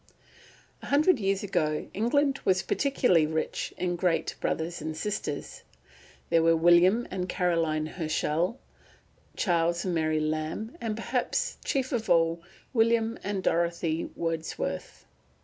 A HUNDRED years ago England was particularly rich in great brothers and sisters. There were William and Caroline Herschel, Charles and Mary Lamb, and, perhaps, chief of all, William and Dorothy Wordsworth.